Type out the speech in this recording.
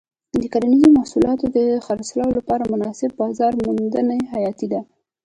د کرنیزو محصولاتو د خرڅلاو لپاره مناسب بازار موندنه حیاتي ده.